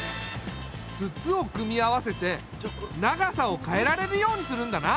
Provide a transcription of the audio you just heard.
筒を組み合わせて長さを変えられるようにするんだな。